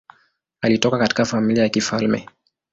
Alitoka katika familia ya kifalme.